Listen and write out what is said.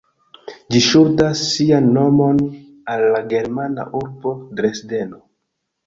Ĝi ŝuldas sian nomon al la germana urbo Dresdeno.